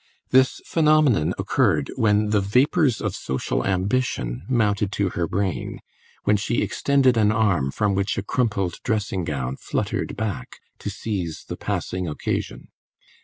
This phenomenon occurred when the vapours of social ambition mounted to her brain, when she extended an arm from which a crumpled dressing gown fluttered back to seize the passing occasion.